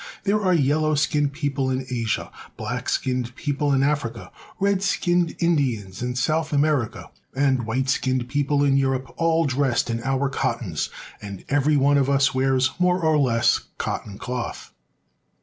There are yellow skinned people in Asia, black skinned people in Africa, red skinned In dians in South America, and white skinned people in Eu rope all dressed in our cottons, and every one of us wears more or less cotton cloth.